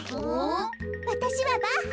わたしはバッハ。